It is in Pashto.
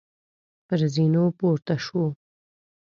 پر زینو پورته شوو.